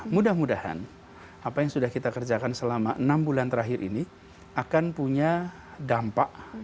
mudah mudahan apa yang sudah kita kerjakan selama enam bulan terakhir ini akan punya dampak